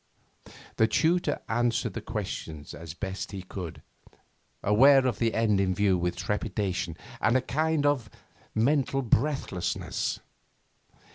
The tutor answered the questions as best he could, aware of the end in view with trepidation and a kind of mental breathlessness.